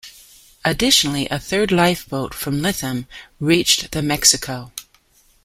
Additionally, a third lifeboat, from Lytham, reached the "Mexico".